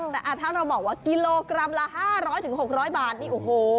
แต่ถ้าเราบอกว่ากิโลกรัมละ๕๐๐๖๐๐บาทนี่โอ้โห